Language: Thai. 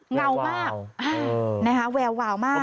เงาวาวแวววาวมาก